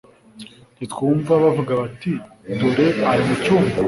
ntitwumva bavuga bati: "Dore ari mu cyumba?"